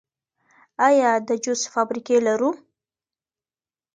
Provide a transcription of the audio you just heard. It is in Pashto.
آیا د جوس فابریکې لرو؟